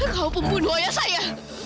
kau pembunuh ayah saya